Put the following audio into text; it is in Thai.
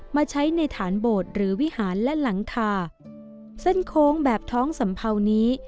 มาใช้ในฐานโบสถ์หรือวิหารและหลังคาเส้นโค้งแบบท้องสัมเภานี้